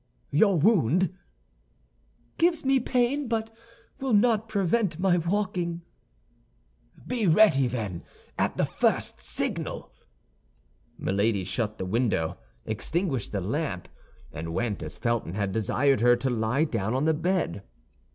"Your wound?" "Gives me pain, but will not prevent my walking." "Be ready, then, at the first signal." Milady shut the window, extinguished the lamp, and went, as Felton had desired her, to lie down on the bed.